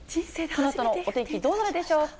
このあとのお天気、どうなるでしょうか。